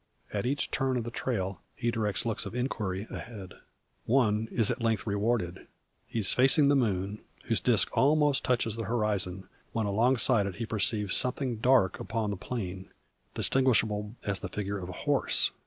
At each turn of the trail, he directs looks of inquiry ahead. One is at length rewarded. He is facing the moon, whose disc almost touches the horizon, when alongside it he perceives something dark upon the plain, distinguishable as the figure of a horse.